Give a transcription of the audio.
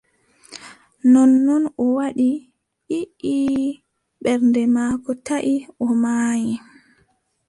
Nonnon o waɗi :« ii » ɓernde maako taʼi o maayi.